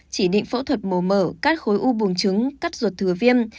chỉ định phẫu thuật mổ mở cắt khối u buồng trứng cắt ruột thừa viêm